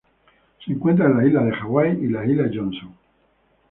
Se encuentran en las Islas Hawái y la Isla Johnston.